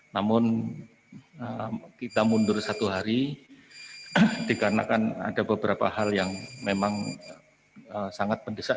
namun kita mundur satu hari dikarenakan ada beberapa hal yang memang sangat mendesak